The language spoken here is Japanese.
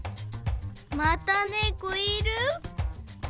またねこいる？